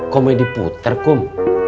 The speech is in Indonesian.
komedi puter kum